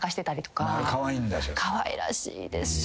かわいらしいです。